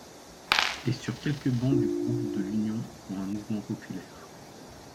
Et sur quelques bancs du groupe de l’Union pour un mouvement populaire.